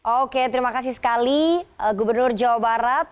oke terima kasih sekali gubernur jawa barat